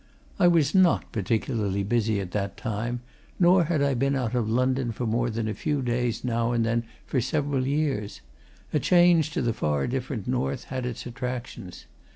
I was not particularly busy at that time, nor had I been out of London for more than a few days now and then for several years: a change to the far different North had its attractions.